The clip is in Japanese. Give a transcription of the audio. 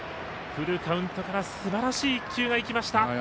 フルカウントからすばらしい１球がいきました。